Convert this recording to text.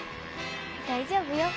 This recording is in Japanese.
大丈夫よ。